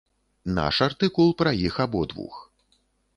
Наш артыкул пра іх абодвух.